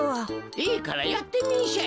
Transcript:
いいからやってみんしゃい。